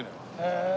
へえ。